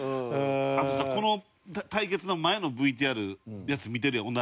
あとさこの対決の前のＶＴＲ見てるやん